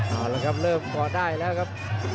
เอาละครับเริ่มก่อนได้แล้วครับ